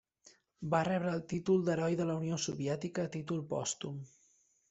Va rebre el títol d'Heroi de la Unió Soviètica a títol pòstum.